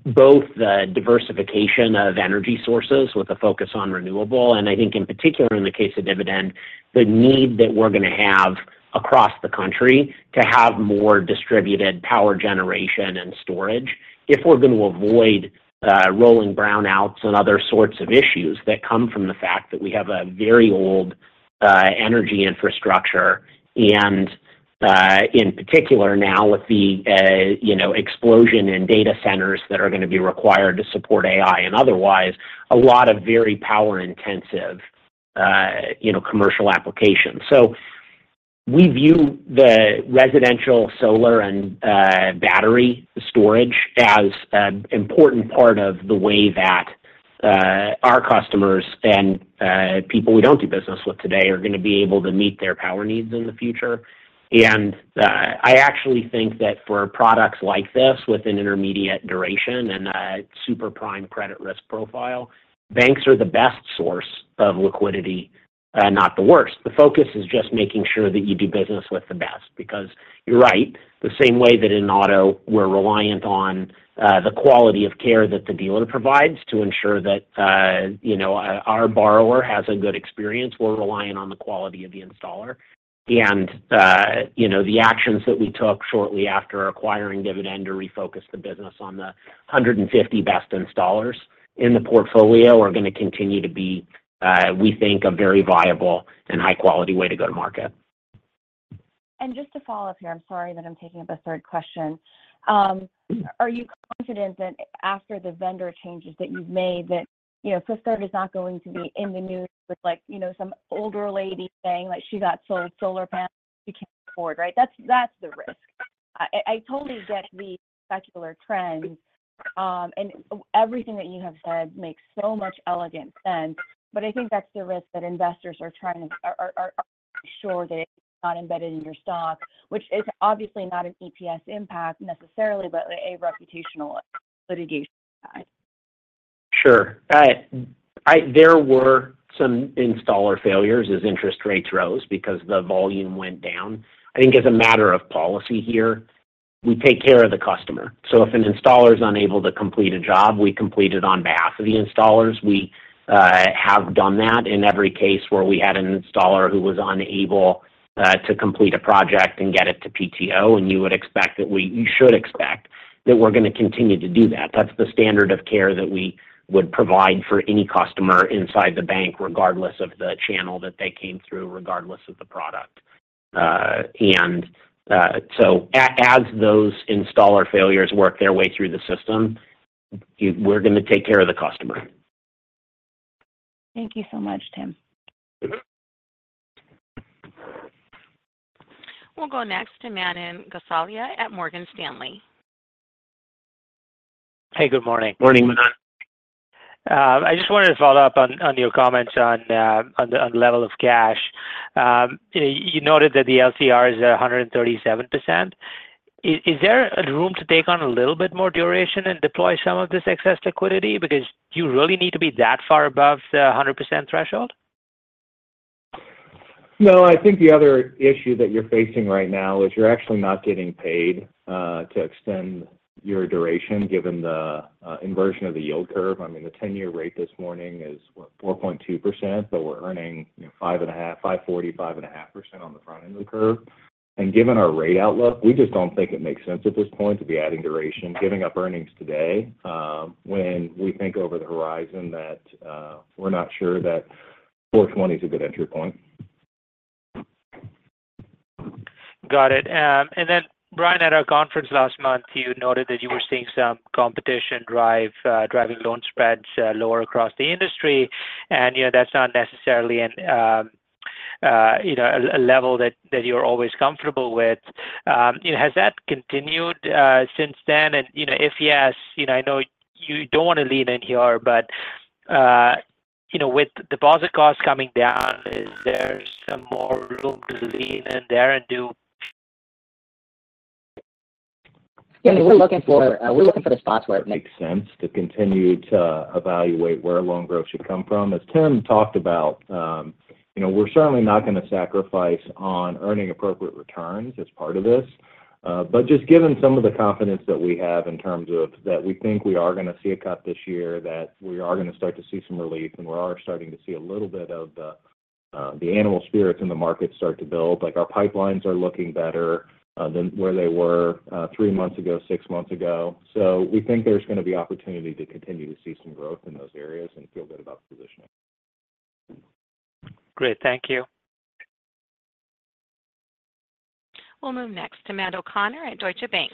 both the diversification of energy sources with a focus on renewable. I think, in particular, in the case of Dividend, the need that we're going to have across the country to have more distributed power generation and storage if we're going to avoid rolling brownouts and other sorts of issues that come from the fact that we have a very old energy infrastructure. In particular, now with the explosion in data centers that are going to be required to support AI and otherwise, a lot of very power-intensive commercial applications. So we view the residential solar and battery storage as an important part of the way that our customers and people we don't do business with today are going to be able to meet their power needs in the future. And I actually think that for products like this with an intermediate duration and a super prime credit risk profile, banks are the best source of liquidity, not the worst. The focus is just making sure that you do business with the best. Because you're right, the same way that in auto, we're reliant on the quality of care that the dealer provides to ensure that our borrower has a good experience, we're relying on the quality of the installer. And the actions that we took shortly after acquiring Dividend or refocused the business on the 150 best installers in the portfolio are going to continue to be, we think, a very viable and high-quality way to go to market. And just to follow up here, I'm sorry that I'm taking up a third question. Are you confident that after the vendor changes that you've made, that Fifth Third is not going to be in the news with some older lady saying she got sold solar panels she can't afford, right? That's the risk. I totally get the secular trend. And everything that you have said makes so much elegant sense. But I think that's the risk that investors are trying to make sure that it's not embedded in your stock, whichis obviously not an EPS impact necessarily, but a reputational litigation impact. Sure. There were some installer failures as interest rates rose because the volume went down. I think as a matter of policy here, we take care of the customer. So if an installer is unable to complete a job, we complete it on behalf of the installers. We have done that in every case where we had an installer who was unable to complete a project and get it to PTO. And you would expect that we you should expect that we're going to continue to do that. That's the standard of care that we would provide for any customer inside the bank, regardless of the channel that they came through, regardless of the product. And so as those installer failures work their way through the system, we're going to take care of the customer. Thank you so much, Tim. We'll go next to Manan Gosalia at Morgan Stanley. Hey, good morning. Morning, Manan. I just wanted to follow up on your comments on the level of cash. You noted that the LCR is at 137%. Is there room to take on a little bit more duration and deploy some of this excess liquidity? Because you really need to be that far above the 100% threshold? No, I think the other issue that you're facing right now is you're actually not getting paid to extend your duration given the inversion of the yield curve. I mean, the 10-year rate this morning is 4.2%, but we're earning 5.5, 5.40, 5.5% on the front end of the curve. And given our rate outlook, we just don't think it makes sense at this point to be adding duration, giving up earnings today when we think over the horizon that we're not sure that 4.20 is a good entry point. Got it. And then, Bryan, at our conference last month, you noted that you were seeing some competition driving loan spreads lower across the industry. That's not necessarily a level that you're always comfortable with. Has that continued since then? And if yes, I know you don't want to lean in here, but with deposit costs coming down, is there some more room to lean in there and do? Yeah. We're looking for the spots where. Makes sense to continue to evaluate where loan growth should come from. As Tim talked about, we're certainly not going to sacrifice on earning appropriate returns as part of this. But just given some of the confidence that we have in terms of that we think we are going to see a cut this year, that we are going to start to see some relief, and we are starting to see a little bit of the animal spirits in the market start to build. Our pipelines are looking better than where they were three months ago, six months ago. So we think there's going to be opportunity to continue to see some growth in those areas and feel good about the positioning. Great. Thank you. We'll move next to Matt O'Connor at Deutsche Bank.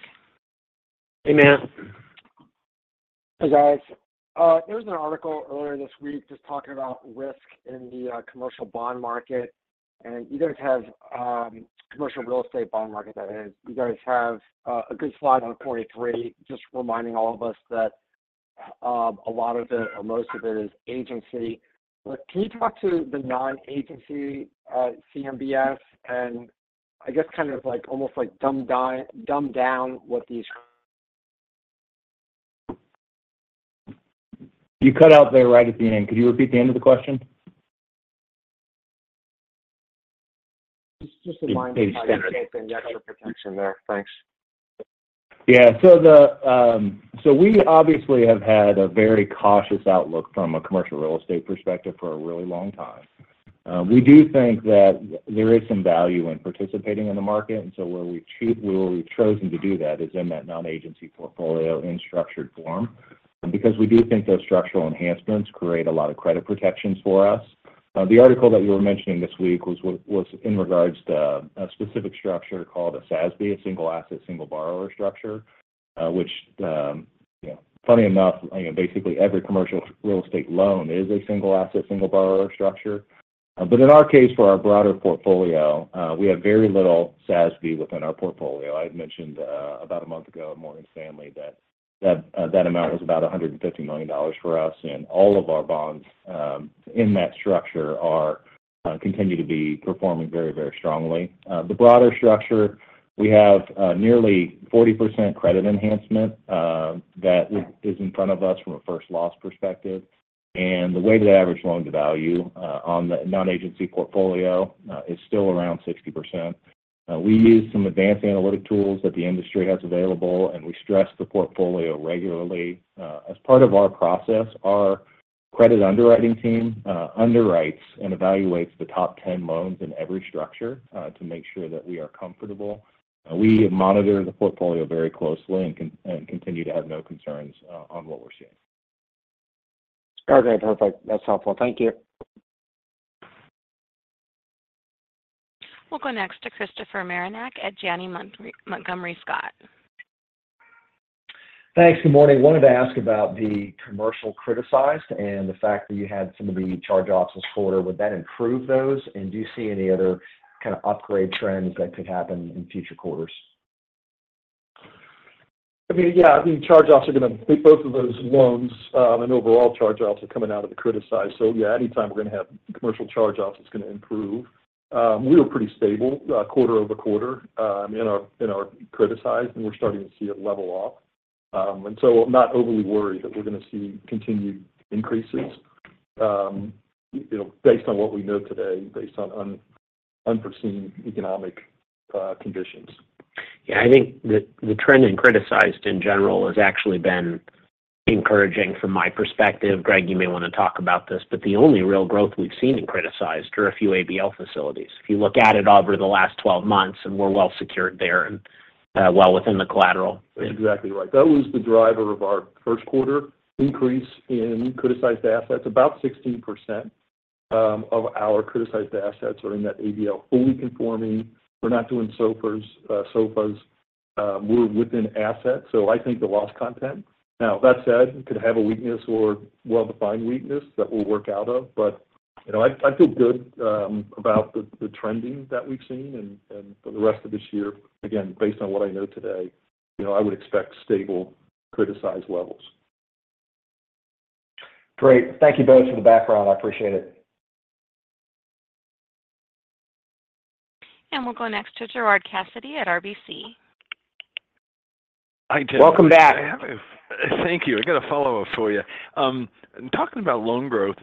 Hey, Matt. Hey, guys. There was an article earlier this week just talking about risk in the commercial bond market. And you guys have commercial real estate bond market, that is. You guys have a good slide 43, just reminding all of us that a lot of it or most of it is agency. Can you talk to the non-agency CMBS and I guess kind of almost like dumb down what these? You cut out there right at the end. Could you repeat the end of the question? Just a line of questions. Just a standard. Okay. Thank you. Thanks for your protection there. Thanks . Yeah. So we obviously have had a very cautious outlook from a commercial real estate perspective for a really long time. We do think that there is some value in participating in the market. And so where we've chosen to do that is in that non-agency portfolio in structured form because we do think those structural enhancements create a lot of credit protections for us. The article that you were mentioning this week was in regards to a specific structure called a SASB, a single asset, single borrower structure, which, funny enough, basically every commercial real estate loan is a single asset, single borrower structure. But in our case, for our broader portfolio, we have very little SASB within our portfolio. I had mentioned about a month ago at Morgan Stanley that that amount was about $150 million for us. And all of our bonds in that structure continue to be performing very, very strongly. The broader structure, we have nearly 40% credit enhancement that is in front of us from a first loss perspective. And the weighted average loan to value on the non-agency portfolio is still around 60%. We use some advanced analytic tools that the industry has available, and we stress the portfolio regularly. As part of our process, our credit underwriting team underwrites and evaluates the top 10 loans in every structure to make sure that we are comfortable. We monitor the portfolio very closely and continue to have no concerns on what we're seeing. Okay. Perfect. That's helpful. Thank you. We'll go next to Christopher Marinac at Janney Montgomery Scott. Thanks. Good morning. Wanted to ask about the commercial criticized and the fact that you had some of the charge-offs this quarter. Would that improve those? And do you see any other kind of upgrade trends that could happen in future quarters? I mean, yeah. I mean, charge-offs are going to be both of those loans and overall charge-offs are coming out of the criticized. So yeah, anytime we're going to have commercial charge-offs, it's going to improve. We were pretty stable quarter over quarter in our criticized, and we're starting to see it level off. And so I'm not overly worried that we're going to see continued increases based on what we know today, based on unforeseen economic conditions. Yeah. I think the trend in criticized in general has actually been encouraging from my perspective. Greg, you may want to talk about this, but the only real growth we've seen in criticized are a few ABL facilities. If you look at it over the last 12 months, and we're well secured there and well within the collateral. Exactly right. That was the driver of our first quarter increase in criticized assets, about 16% of our criticized assets are in that ABL fully conforming. We're not doing sofas. We're within assets. So I think the loss content. Now, that said, it could have a weakness or well-defined weakness that we'll work out of. But I feel good about the trending that we've seen. And for the rest of this year, again, based on what I know today, I would expect stable criticized levels. Great. Thank you both for the background. I appreciate it. And we'll go next to Gerard Cassidy at RBC. Hi, Tim. Welcome back. Thank you. I got a follow-up for you. Talking about loan growth,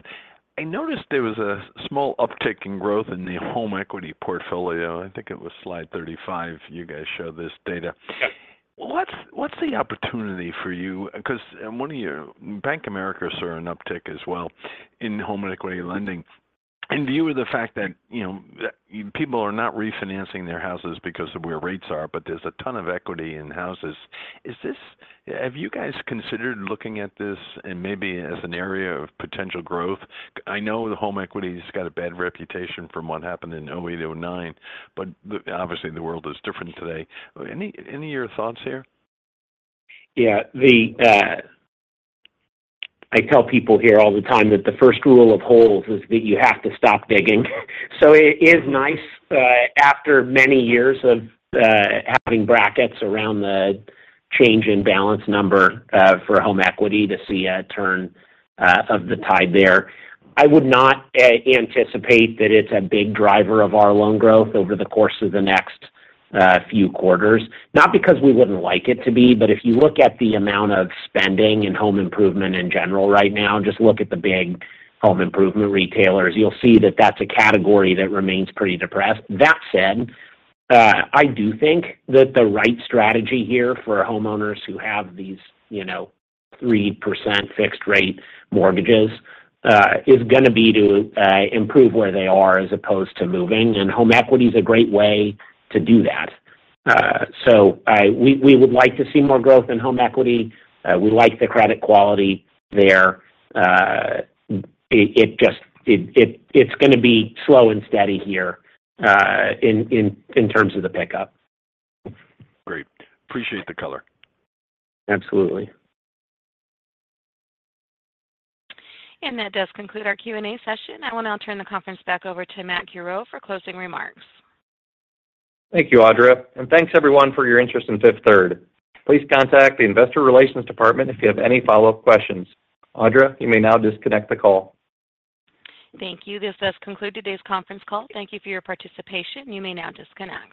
I noticed there was a small uptick in growth in the home equity portfolio. I think it was slide 35. You guys showed this data. What's the opportunity for you? Because one of your Bank of America are an uptick as well in home equity lending. In view of the fact that people are not refinancing their houses because of where rates are, but there's a ton of equity in houses, have you guys considered looking at this and maybe as an area of potential growth? I know the home equity has got a bad reputation from what happened in 2008, 2009, but obviously, the world is different today. Any of your thoughts here? Yeah. I tell people here all the time that the first rule of holes is that you have to stop digging. So it is nice after many years of having brackets around the change in balance number for home equity to see a turn of the tide there. I would not anticipate that it's a big driver of our loan growth over the course of the next few quarters. Not because we wouldn't like it to be, but if you look at the amount of spending and home improvement in general right now, just look at the big home improvement retailers, you'll see that that's a category that remains pretty depressed. That said, I do think that the right strategy here for homeowners who have these 3% fixed-rate mortgages is going to be to improve where they are as opposed to moving. And home equity is a great way to do that. So we would like to see more growth in home equity. We like the credit quality there. It's going to be slow and steady here in terms of the pickup. Great. Appreciate the color. Absolutely. And that does conclude our Q&A session. I will now turn the conference back over to Matt Curoe for closing remarks. Thank you, Audra. And thanks, everyone, for your interest in Fifth Third. Please contact the investor relations department if you have any follow-up questions. Audra, you may now disconnect the call. Thank you. This does conclude today's conference call. Thank you for your participation. You may now disconnect.